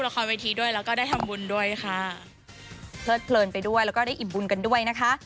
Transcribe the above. เพลิดเพลินไปด้วยแล้วก็ได้อิ่มบุญกันด้วยนะคะ